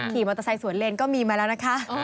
ขี่มอเตอร์ไซค์สวนเลนก็มีมาแล้วนะคะ